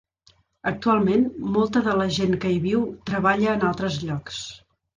Actualment, molta de la gent que hi viu treballa en altres llocs.